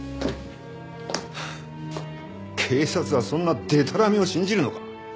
警察はそんなでたらめを信じるのか？